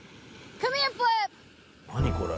何これ？